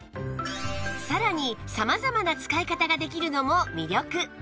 さらに様々な使い方ができるのも魅力